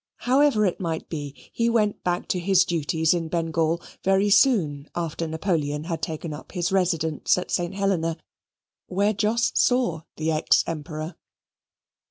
However it might be, he went back to his duties in Bengal very soon after Napoleon had taken up his residence at St. Helena, where Jos saw the ex Emperor.